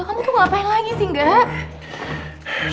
kamu tuh ngapain lagi sih gak